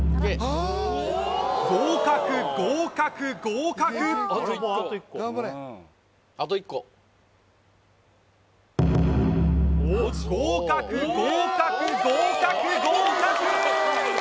合格合格合格合格合格合格合格！